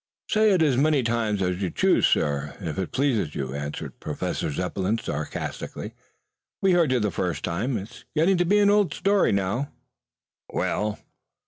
"Say it as many times as you choose, sir, if it pleases you," answered Professor Zepplin sarcastically. "We heard you the first time. It's getting to be an old story now." "Well?"